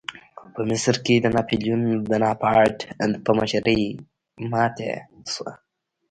په مصر کې د ناپلیون بناپارټ په مشرۍ ماتې شوه.